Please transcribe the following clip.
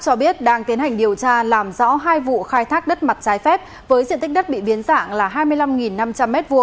cho biết đang tiến hành điều tra làm rõ hai vụ khai thác đất mặt trái phép với diện tích đất bị biến dạng là hai mươi năm năm trăm linh m hai